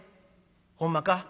「ほんまか。